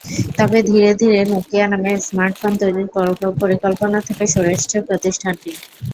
তবে ধীরে ধীরে নকিয়া নামে স্মার্টফোন তৈরির পরিকল্পনা থেকে সরে আসছে প্রতিষ্ঠানটি।